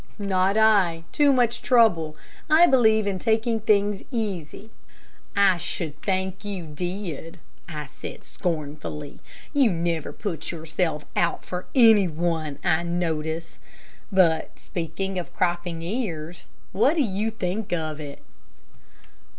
"Not I. Too much trouble. I believe in taking things easy." "I should think you did," I said, scornfully. "You never put yourself out for any one, I notice; but, speaking of cropping ears, what do you think of it?"